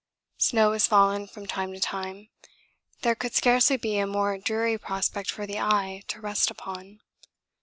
snow has fallen from time to time. There could scarcely be a more dreary prospect for the eye to rest upon.